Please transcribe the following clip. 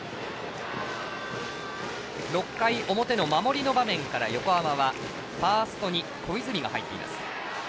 ６回の表の守りの場面から横浜はファーストに小泉が入っています。